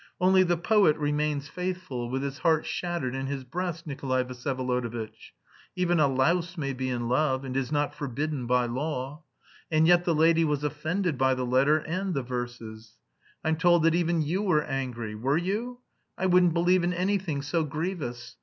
Only the poet remains faithful, with his heart shattered in his breast, Nikolay Vsyevolodovitch. Even a louse may be in love, and is not forbidden by law. And yet the lady was offended by the letter and the verses. I'm told that even you were angry. Were you? I wouldn't believe in anything so grievous.